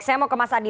saya mau ke mas adi